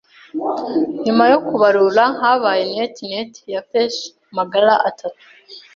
Nyuma yo kubarura, habaye net net ya pesos magana atatu.